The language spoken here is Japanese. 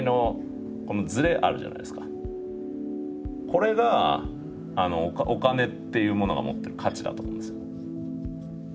これがお金っていうものが持ってる価値だと思うんです。